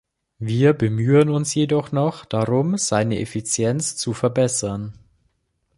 Wir bemühen uns jedoch noch darum, seine Effizienz zu verbessern.